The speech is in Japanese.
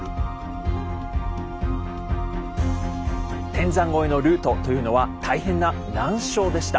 天山越えのルートというのは大変な難所でした。